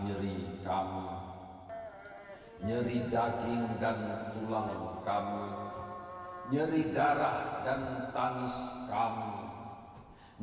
nyeri darah dan tangis kami